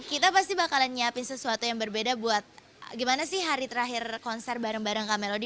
kita pasti bakalan nyiapin sesuatu yang berbeda buat gimana sih hari terakhir konser bareng bareng kak melodi